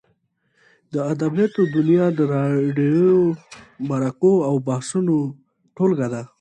د ادبیاتو دونیا د راډیووي مرکو او بحثو ټولګه ده.